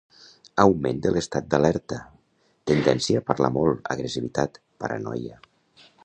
Augment de l'estat d'alerta, tendència a parlar molt, agressivitat, paranoia.